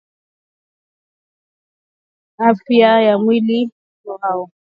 Ni nani muamuzi wa mwanamke kuamua nini la kufanya kuhusu afya na mwili wao?